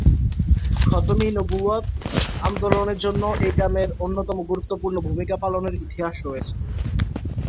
খতম-ই-নবুওয়াত আন্দোলনের জন্য এই গ্রামের অন্যতম গুরুত্বপূর্ণ ভূমিকা পালনের ইতিহাস রয়েছে।